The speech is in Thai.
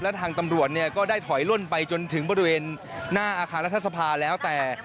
และทางตำรวจเนี่ยก็ได้ถอยล่นไปจนถึงบริเวณหน้าอาคารรัฐสภาแล้วแต่